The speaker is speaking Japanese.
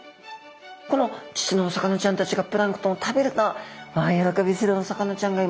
このちっちゃなお魚ちゃんたちがプランクトンを食べると大喜びするお魚ちゃんがいます。